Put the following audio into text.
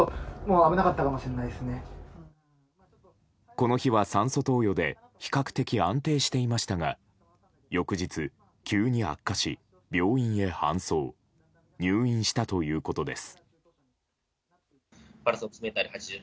この日は酸素投与で比較的安定していましたが翌日、急に悪化し病院へ搬送入院したということです。